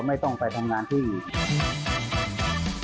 ไม่ต้องไปทำงานที่อื่น